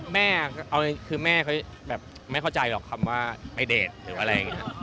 แม่คือแม่ไม่เข้าใจหรอกคำว่าไปเดทหรืออะไรอย่างนี้